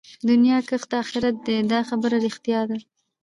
دنيا کښت د آخرت دئ دا خبره ده رښتيا